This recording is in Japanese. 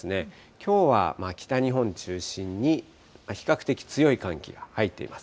きょうは北日本中心に比較的強い寒気が入っています。